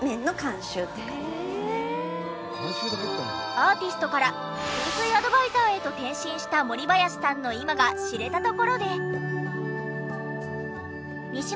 アーティストから風水アドバイザーへと転身したもりばやしさんの今が知れたところで。